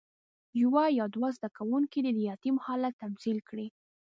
یو یا دوه زده کوونکي دې د یتیم حالت تمثیل کړي.